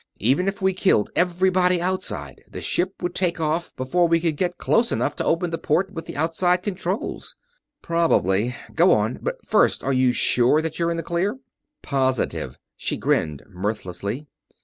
Even if we killed everybody outside, the ship would take off before we could get close enough to open the port with the outside controls." "Probably. Go on. But first, are you sure that you're in the clear?" "Positive." She grinned mirthlessly.